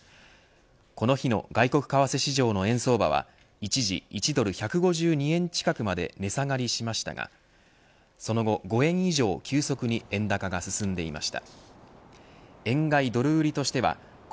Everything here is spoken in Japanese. この日の外国為替市場の円相場は一時１ドル１５２円近くまで値下がりしましたがその後５円以上急速に円高が進んでいました。